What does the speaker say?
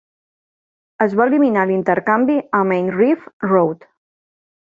Es va eliminar l'intercanvi a Main Reef Road.